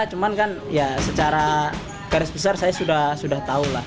cuman kan ya secara garis besar saya sudah tahu lah